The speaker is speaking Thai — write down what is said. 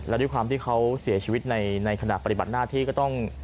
และด้วยความที่เขาเสียชีวิตในขณะปฏิบัติหน้าที่ก็ต้อง